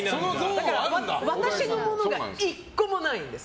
だから私のものが１個もないんです